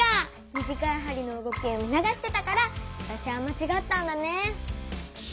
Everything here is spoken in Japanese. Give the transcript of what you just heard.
短いはりの動きを見のがしてたからわたしはまちがったんだね。